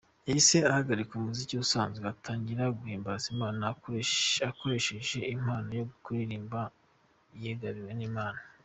Yahise ahagarika umuziki usanzwe atangira guhimbaza Imana akoresheje impano yo kuririmba yagabiwe n'Imana.